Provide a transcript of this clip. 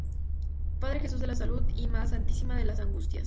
Padre Jesús de la Salud y Mª Santísima de las Angustias.